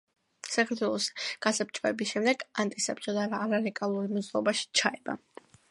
საქართველოს გასაბჭოების შემდეგ ანტისაბჭოთა არალეგალურ მოძრაობაში ჩაება.